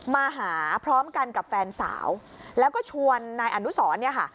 มาหาพร้อมกันกับแฟนสาวแล้วก็ชวนนายอนุสรเนี่ยค่ะ